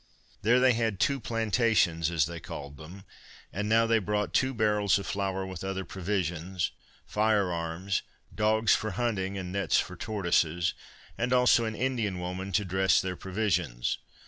There they had two plantations, as they called them; and now they brought two barrels of flour, with other provisions, fire arms, dogs for hunting and nets for tortoises; and also an Indian woman to dress their provisions.